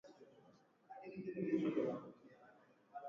Katika hali ambapo kondoo na mbuzi ni wadhaifu kiafya